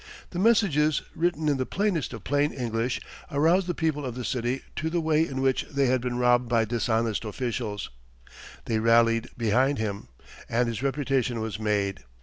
The messages, written in the plainest of plain English, aroused the people of the city to the way in which they had been robbed by dishonest officials, they rallied behind him, and his reputation was made.